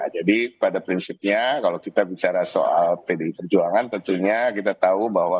jadi pada prinsipnya kalau kita bicara soal pdi perjuangan tentunya kita tahu bahwa